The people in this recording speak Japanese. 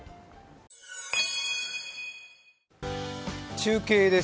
中継です。